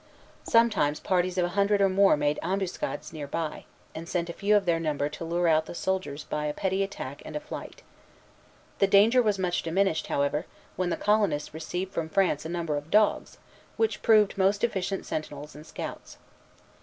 Sometimes parties of a hundred or more made ambuscades near by, and sent a few of their number to lure out the soldiers by a petty attack and a flight. The danger was much diminished, however, when the colonists received from France a number of dogs, which proved most efficient sentinels and scouts.